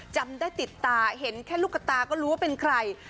จำได้ติดตาเห็นแค่ลูกตาก็รู้ว่าเป็นใคร